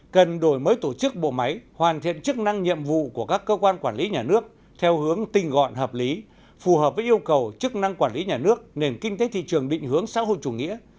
cần đổi mới tổ chức bộ máy hoàn thiện chức năng nhiệm vụ của các cơ quan quản lý nhà nước theo hướng tinh gọn hợp lý phù hợp với yêu cầu chức năng quản lý nhà nước nền kinh tế thị trường định hướng xã hội chủ nghĩa